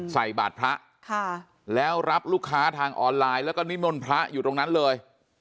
ใส่บาทพระแล้วรับลูกค้าทางออนไลน์แล้วก็นิมนต์พระอยู่ตรงนั้นเลย